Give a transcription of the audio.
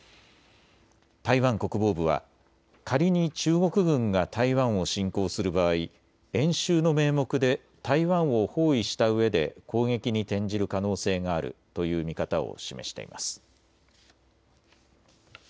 台湾国防部は仮に中国軍が台湾を侵攻する場合、演習の名目で台湾を包囲したうえで攻撃に転じる可能性があるという見方を示しています。